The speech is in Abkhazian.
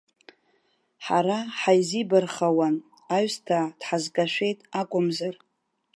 Ҳара ҳаизибархауан, аҩсҭаа дҳазкашәеит акәымзар.